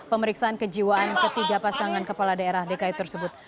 pemeriksaan kejiwaan ketiga pasangan kepala daerah dki tersebut